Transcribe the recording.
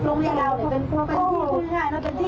ต้องเล่าเรียวโรงเรียนเราเนี่ยเป็นอันดับ๖ของประเทศประเทศ